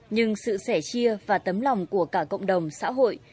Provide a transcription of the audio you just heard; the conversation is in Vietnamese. nhưng sự sẻ chia và tấm lòng của cả cộng đồng xã hội